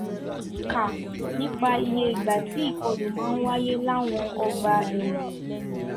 Kà nípa iye ìgbà tí ikọlu máa ń wáyé láwọn ọgbà ẹ̀wọ̀n